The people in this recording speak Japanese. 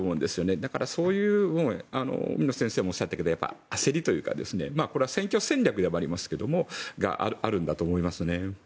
だからそういう海野先生もおっしゃったけど焦りというか、これは選挙戦略があるんだと思います。